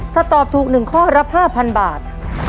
ถ้าตอบถูกหนึ่งข้อรับห้าพันบาท